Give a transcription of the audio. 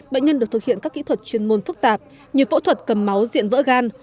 bệnh nhân được thực hiện các kỹ thuật chuyên môn phức tạp như phẫu thuật cầm máu diện vỡ gan